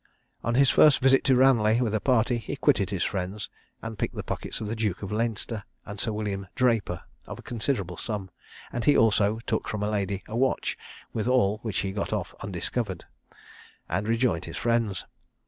On his first visit to Ranelagh with a party, he quitted his friends, and picked the pockets of the Duke of Leinster and Sir William Draper of a considerable sum; and he also took from a lady a watch, with all which he got off undiscovered, and rejoined his friends.